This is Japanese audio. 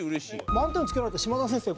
満点をつけられた島田先生